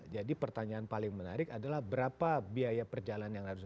jadi pertanyaan paling menarik adalah berapa biaya perjalanan yang harus